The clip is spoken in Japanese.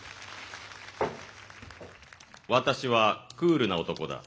私はクールな男だ。